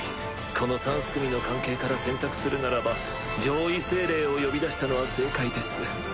この三すくみの関係から選択するならば上位精霊を呼び出したのは正解です。